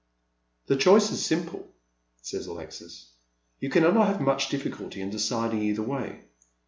"The choice is simple," says Alexis. "You cannot have much difficulty in deciding either way.